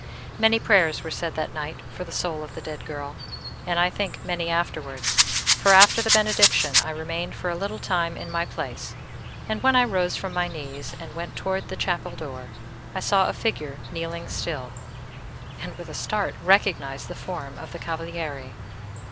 Many prayers were said that night for the soul of the dead girl, and I think many afterwards; for after the benediction I remained for a little time in my place, and when I rose from my knees and went towards the chapel door, I saw a figure kneeling still, and, with a start, recognized the form of the Cavaliere.